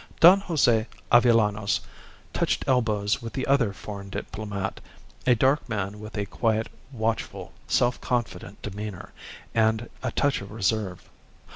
Don Jose Avellanos touched elbows with the other foreign diplomat, a dark man with a quiet, watchful, self confident demeanour, and a touch of reserve.